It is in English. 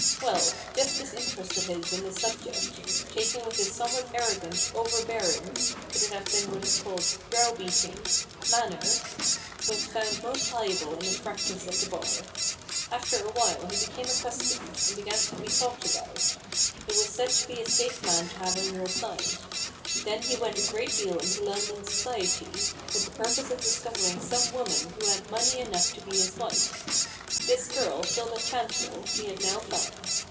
Well ! just this interest of his in his subject, taken with his somewhat arrogant, overbearing (could it have been what is called browbeating ?) manner, was found most valuable in his practice at the Bar. After a while he became accustomed, 146 A BOOK OF BARGAINS. and began to be talked about ; he was said to be a safe man to have on your side. Then he went a great deal into London society, with the purpose of discovering some woman who had money enough to be his wife. This girl, Hilda Chancel, he had now found.